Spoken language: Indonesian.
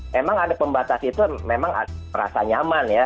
memang ada pembatas itu memang merasa nyaman ya